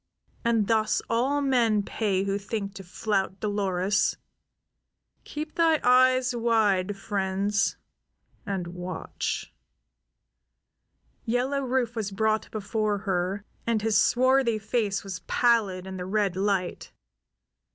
And thus all men pay who think to flout Dolores. Keep thy eyes wide, friends, and watch." Yellow Rufe was brought before her, and his swarthy face was pallid in the red light.